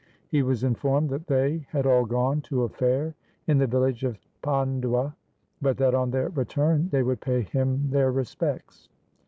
He was informed that they had all gone to a fair in the village of Pandua, but that on their return they would pay him their respects.